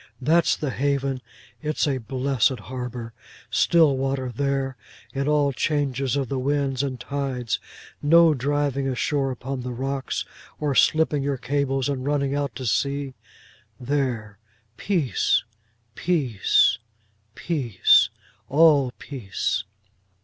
That's the haven. It's a blessed harbour—still water there, in all changes of the winds and tides; no driving ashore upon the rocks, or slipping your cables and running out to sea, there: Peace—Peace—Peace—all peace!